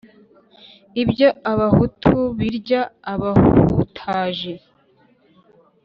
Ibyo abahutu birya ubahutaje.